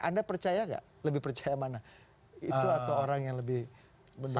anda percaya nggak lebih percaya mana itu atau orang yang lebih mendukung